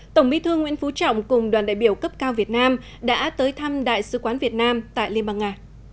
tổng bí thư nguyễn phú trọng cùng đoàn đại biểu cấp cao việt nam đã tới thăm đại sứ quán việt nam tại liên bang nga